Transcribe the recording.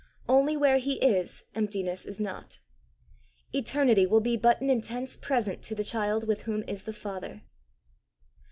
Only where he is, emptiness is not. Eternity will be but an intense present to the child with whom is the Father.